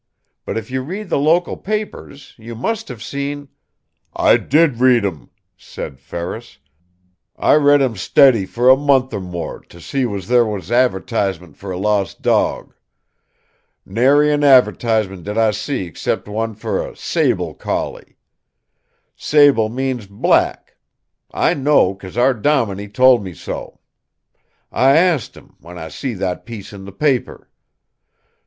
But if you read the local papers you must have seen " "I did read 'em," said Ferris. "I read 'em steady for a month or more, to see was there was adv'tisement fer a lost dawg. Nary an adv'tisement did I see excep' one fer a 'sable' collie. 'Sable' means 'black.' I know, because our dominie told me so. I asked him, when I see that piece in the paper.